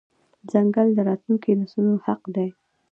ځنګل د راتلونکو نسلونو حق دی.